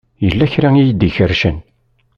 Yella kra i yi-d-ikerrcen.